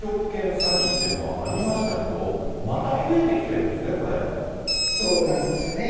詐欺っていうのはありましたけど、また増えてそうなんですよね。